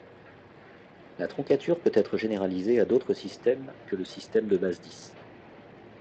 La troncature peut être généralisée à d'autres systèmes que le système de base dix.